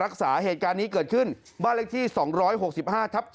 เหตุการณ์นี้เกิดขึ้นบ้านเลขที่๒๖๕ทับ๗